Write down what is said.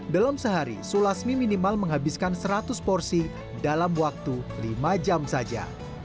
dalam sehari sulasmi minimal menghabiskan seratus porsi dalam waktu lima jam saja